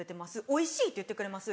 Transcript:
おいしいって言ってくれます。